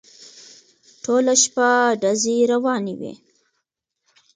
ټوله شپه ډزې روانې وې.